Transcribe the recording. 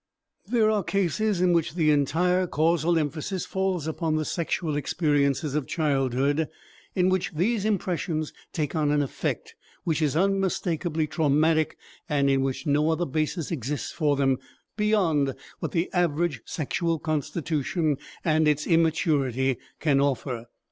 There are cases in which the entire causal emphasis falls upon the sexual experiences of childhood, in which these impressions take on an effect which is unmistakably traumatic and in which no other basis exists for them beyond what the average sexual constitution and its immaturity can offer.